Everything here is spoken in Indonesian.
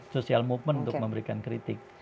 social movement untuk memberikan kritik